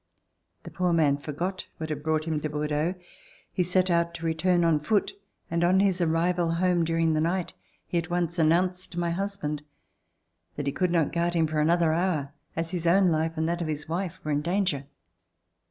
The poor man forgot what had brought him to Bordeaux. He set out to return on foot, and on his arrival home during the night, he at once announced to my husband that he could not guard him for an other hour, as his own life and that of his wife were in danger.